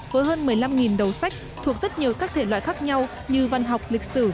với hơn một mươi năm đầu sách thuộc rất nhiều các thể loại khác nhau như văn học lịch sử